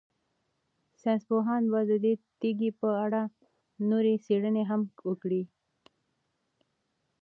ساینس پوهان به د دې تیږې په اړه نورې څېړنې هم وکړي.